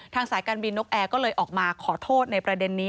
สายการบินนกแอร์ก็เลยออกมาขอโทษในประเด็นนี้